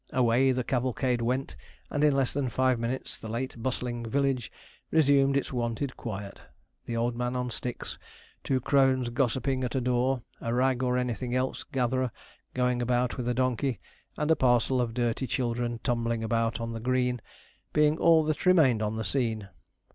Away the cavalcade went, and in less than five minutes the late bustling village resumed its wonted quiet; the old man on sticks, two crones gossiping at a door, a rag or anything else gatherer going about with a donkey, and a parcel of dirty children tumbling about on the green, being all that remained on the scene.